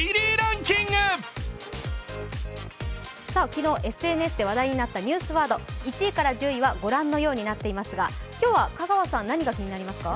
昨日、ＳＮＳで話題になったニュースワード、１位から１０位はご覧のようになっていますが、今日は香川さん、何が気になりますか？